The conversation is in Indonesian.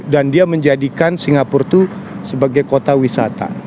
dan dia menjadikan singapura itu sebagai kota wisata